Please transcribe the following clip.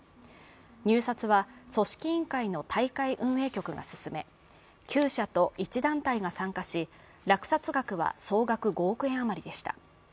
入札は組織委員会の大会運営局が進め９社と１団体が参加し落札額は総額５億円余りでした。